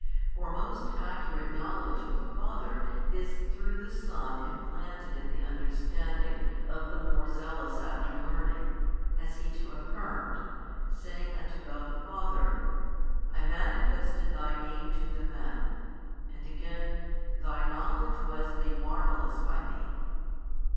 For most accurate knowledge of the Father is through the Son implanted in the understanding of the more zealous after learning, as He too affirmed, saying unto God the Father, I manifested Thy Name to the men, and again, Thy knowledge was made marvellous by Me.